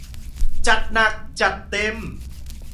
จัดหนักจัดเต็ม!